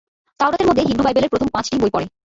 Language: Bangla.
তাওরাত-এর মধ্যে হিব্রু বাইবেল-এর প্রথম পাঁচটি বই পড়ে।